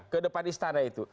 ke depan istana itu